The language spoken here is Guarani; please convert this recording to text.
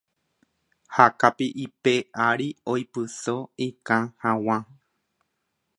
ha kapi'ipe ári oipyso ikã hag̃ua.